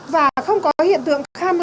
và không có hiện tượng kham hạ